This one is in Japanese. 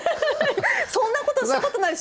そんなことしたことない。